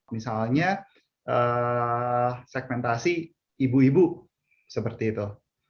misalnya segmentasi ibu ibu seperti itu